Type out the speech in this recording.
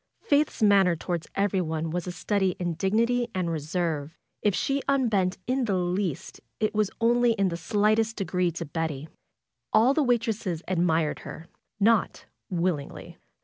Faith's manner toward everyone was a study in dignity and reserve. If she unbent in the least it was only in a slight degree to Betty. All the waitresses admired her ; not willingly.